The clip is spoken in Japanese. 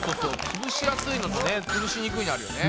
つぶしやすいのとねつぶしにくいのあるよね。